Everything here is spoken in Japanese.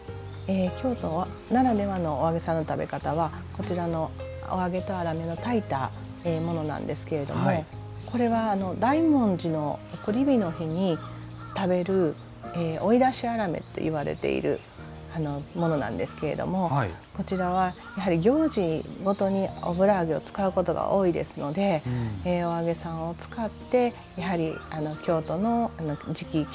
京都ならではのお揚げさんの食べ方はこちらのお揚げとあらめの炊いたものなんですけれどもこれは大文字の送り火の日に食べる追い出しあらめっていわれているものなんですけれどもこちらはやはり行事ごとに油揚げを使うことが多いですのでお揚げさんを使ってやはり京都の時季